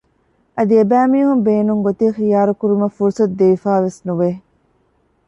އަދި އެބައިމީހުން ބޭނުންގޮތެއް ޚިޔާރުކުރުމަށް ފުރުސަތު ދެވިފައިވެސް ނުވެ